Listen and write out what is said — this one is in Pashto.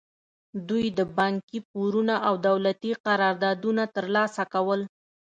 دوی د بانکي پورونه او دولتي قراردادونه ترلاسه کول.